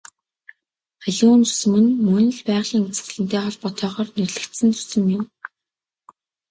Халиун зүсэм нь мөн л байгалийн үзэгдэлтэй холбоотойгоор нэрлэгдсэн зүсэм юм.